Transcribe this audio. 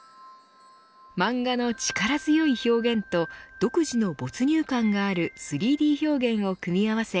漫画の力強い表現と独自の没入感がある３Ｄ表現を組み合わせ